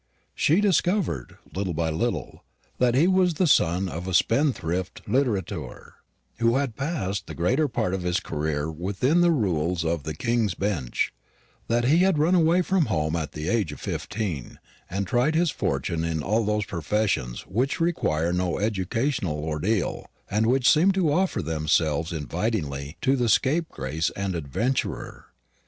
She discovered, little by little, that he was the son of a spendthrift littérateur, who had passed the greater part of his career within the rules of the King's Bench; that he had run away from home at the age of fifteen, and had tried his fortune in all those professions which require no educational ordeal, and which seem to offer themselves invitingly to the scapegrace and adventurer.